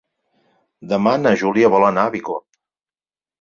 Demà na Júlia vol anar a Bicorb.